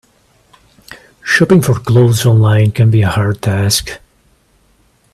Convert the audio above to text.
Shopping for clothes online can be a hard task.